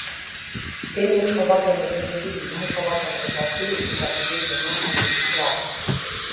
এই লোকসভা কেন্দ্রের তিনটি বিধানসভা কেন্দ্র তফসিলী উপজাতিদের জন্য সংরক্ষিত আসন।